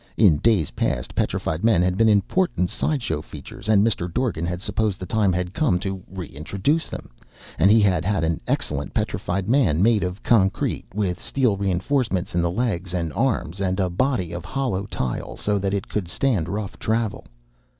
In days past petrified men had been important side show features and Mr. Dorgan had supposed the time had come to re introduce them, and he had had an excellent petrified man made of concrete, with steel reinforcements in the legs and arms and a body of hollow tile so that it could stand rough travel.